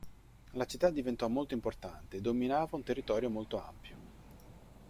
La città diventò molto importante e dominava un territorio molto ampio.